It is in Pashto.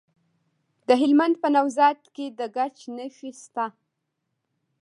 د هلمند په نوزاد کې د ګچ نښې شته.